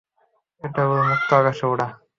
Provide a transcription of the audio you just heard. এটাকে বলে মু্ক্ত আকাশে উড়া।